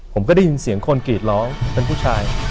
ผมก็ได้ยินเสียงคนกรีดร้องเป็นผู้ชาย